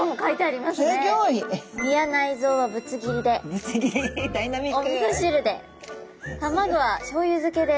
ぶつ切りダイナミック！